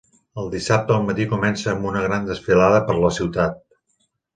El dissabte al matí comença amb una gran desfilada per la ciutat.